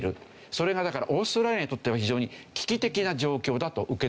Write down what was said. それがだからオーストラリアにとっては非常に危機的な状況だと受け止めていて。